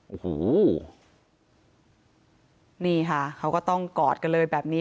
โอ้โหนี่ค่ะเขาก็ต้องกอดกันเลยแบบนี้